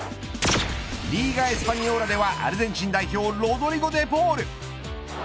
リーガエスパニョーラではアルゼンチン代表ロドリゴ・デポール。